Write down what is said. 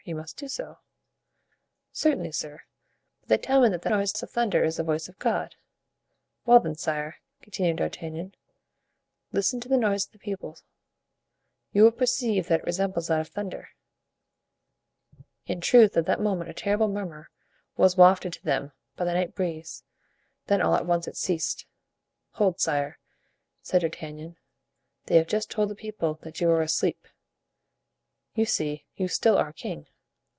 You must do so.'" "Certainly, sir; but they tell me that the noise of thunder is the voice of God." "Well then, sire," continued D'Artagnan, "listen to the noise of the people; you will perceive that it resembles that of thunder." In truth at that moment a terrible murmur was wafted to them by the night breeze; then all at once it ceased. "Hold, sire," said D'Artagnan, "they have just told the people that you are asleep; you see, you still are king."